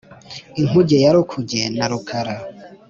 inkungu ya rukuge na rukara,